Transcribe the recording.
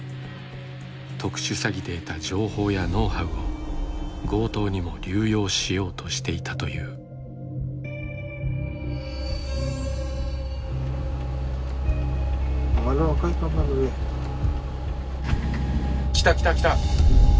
特殊詐欺で得た情報やノウハウを強盗にも流用しようとしていたという。来た来た来た！